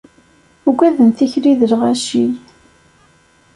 Ugaden tikli d lɣaci